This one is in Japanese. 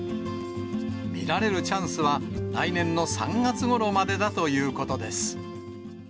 見られるチャンスは、来年の３月ごろまでだということです。